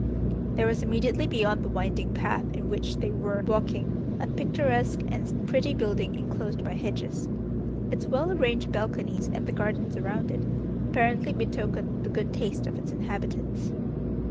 There was immediately beyond the winding path in which they were walking a picturesque and pretty building enclosed by hedges. Its well arranged balconies and the gardens around it apparently betokened the good taste of its inhabitants.